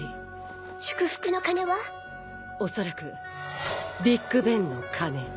おそらくビッグベンの鐘。